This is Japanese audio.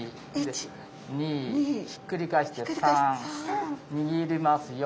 ひっくり返して３。握ります４。